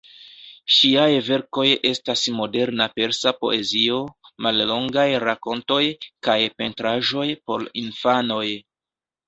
Ŝiaj verkoj estas moderna Persa poezio, mallongaj rakontoj, kaj pentraĵoj por infanoj.